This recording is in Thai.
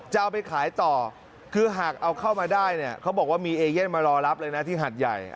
จะเอาไปขายต่อคือหากเอาเข้ามาได้เนี่ยเขาบอกว่ามีเอเย่นมารอรับเลยนะที่หัดใหญ่